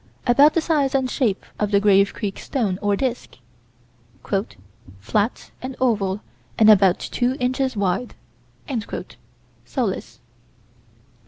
About the size and shape of the Grave Creek stone, or disk: "flat and oval and about two inches wide." (Sollas.)